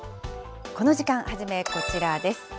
この時間、初めこちらです。